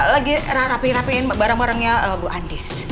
lagi rarapin rapin barang barangnya bu andis